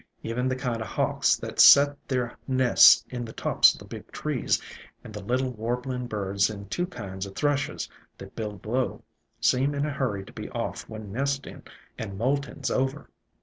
Even the kind o' hawks that set their nests in the tops o' the big trees, and the little warbling birds and two kinds o' thrushes that build low, seem in a hurry to be off when nesting and molting 's over.